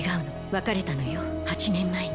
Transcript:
別れたのよ８年前に。